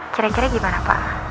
kira kira bagaimana pak